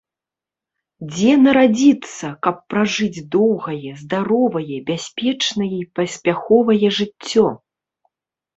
Дзе нарадзіцца, каб пражыць доўгае, здаровае, бяспечнае і паспяховае жыццё.